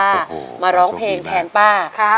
โอ้โฮสวัสดีครับป้านายมาร้องเพลงแทนป้า